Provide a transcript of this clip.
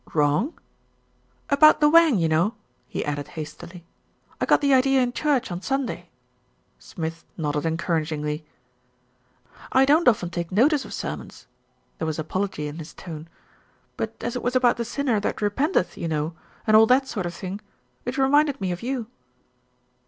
"Wrong?" "About the wang, you know," he added hastily. "I got the idea in church on Sunday." Smith nodded encouragingly. "I don't often take notice of sermons," there was apology in his tone; "but as it was about the sinner that repenteth, you know, and all that sort of thing. It reminded me of you."